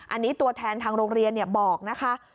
อันนี้ตัวแทนทางโรงเรียนบอกนะคะ